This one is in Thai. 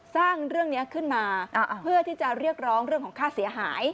สร้างเรื่องนี้ขึ้นมาเพื่อที่จะเรียกร้องเรื่องของค่าเสียหาย